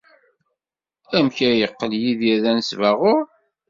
Amek ay yeqqel Yidir d anesbaɣur?